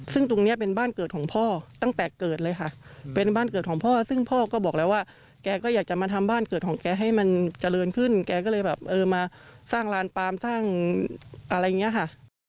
ซึ่งตรงนี้เป็นบ้านเกิดของพ่อตั้งแต่เกิดเลยค่ะเป็นบ้านเกิดของพ่อซึ่งพ่อก็บอกแล้วว่าแกก็อยากจะมาทำบ้านเกิดของแกให้มันเจริญขึ้นแกก็เลยแบบเออมาสร้างลานปามสร้างอะไรอย่างนี้ค่ะ